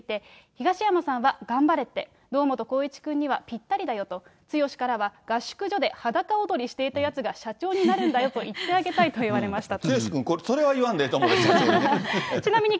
東山さんは頑張れって、堂本光一君にはぴったりだよと剛からは合宿所ではだか踊りしていたやつが社長になるんだよと言ってあげたいと言われました。